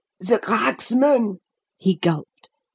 "The cracksman!" he gulped.